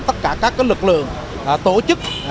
tất cả các lực lượng tổ chức